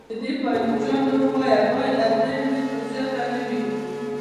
د دې پلچکونو وایه باید له درې مترو زیاته نه وي